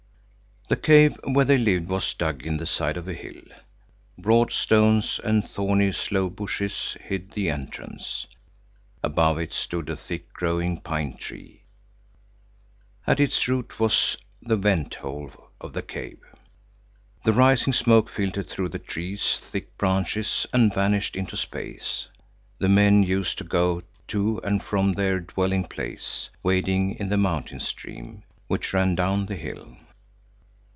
The cave where they lived was dug in the side of a hill. Broad stones and thorny sloe bushes hid the entrance. Above it stood a thick growing pine tree. At its roots was the vent hole of the cave. The rising smoke filtered through the tree's thick branches and vanished into space. The men used to go to and from their dwelling place, wading in the mountain stream, which ran down the hill.